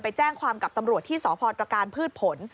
แจ้งความกับตำรวจที่สพตรการพืชผล